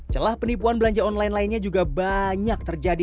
celah penipuan belanja online lainnya juga banyak terjadi